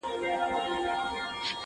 • چا پر خرو چا به په شا وړله بارونه -